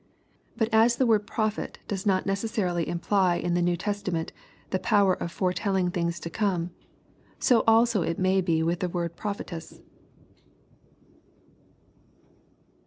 Bat as the word '* prophet" does not necessarily imply, ii the New Testament, the power of fore telling things to come, so also it mav be with the word '^pro phetess."